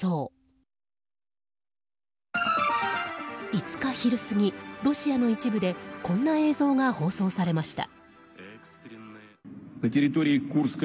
５日昼過ぎ、ロシアの一部でこんな映像が放送されました。